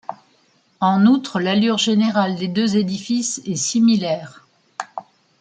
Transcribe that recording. En outre, l'allure générale des deux édifices est similaire.